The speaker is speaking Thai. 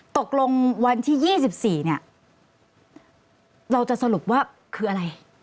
ตกลงวันที่๒๔เนี่ยเราจะสรุปว่าคืออะไร